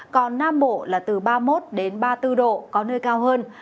còn nam bộ là từ ba mươi một ba mươi bốn độ có nơi cao hơn